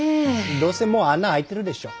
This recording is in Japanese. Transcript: どうせもう穴開いてるでしょ？